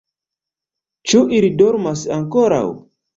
Ĉu ili dormas ankoraŭ?